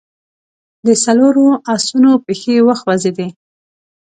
د څلورو آسونو پښې وخوځېدې.